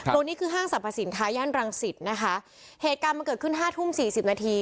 ตรงนี้คือห้างสรรพสินค้าย่านรังสิตนะคะเหตุการณ์มันเกิดขึ้นห้าทุ่มสี่สิบนาที